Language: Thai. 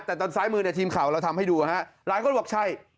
แต่ตอนซ้ายมือเนี่ยทีมข่าวเราทำให้ดูฮะหลายคนบอกใช่